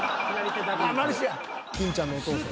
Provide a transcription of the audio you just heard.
金ちゃんのお父さん。